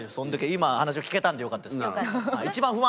今話を聞けたのでよかったです。